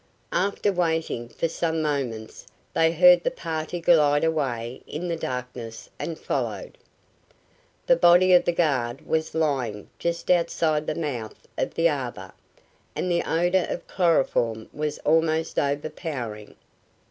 After waiting for some moments they heard the party glide away in the darkness, and followed. The body of the guard was lying just outside the mouth of the arbor, and the odor of chloroform was almost overpowering.